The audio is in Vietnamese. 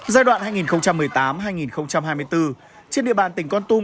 giai đoạn hai nghìn một mươi tám hai nghìn hai mươi bốn trên địa bàn tỉnh con tum